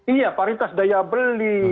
iya paritas daya beli